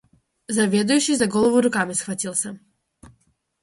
Заведующий за голову руками схватился.